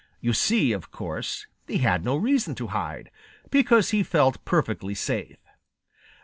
You see, of course, he had no reason to hide, because he felt perfectly safe.